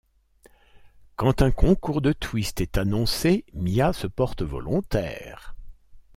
Quand un concours de twist est annoncé, Mia se porte volontaire.